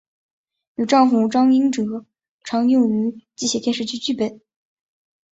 与丈夫张英哲常共同撰写电视剧剧本。